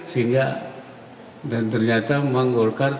sehingga dan ternyata memang golkar